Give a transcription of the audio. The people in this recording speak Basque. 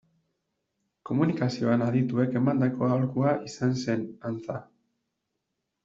Komunikazioan adituek emandako aholkua izan zen, antza.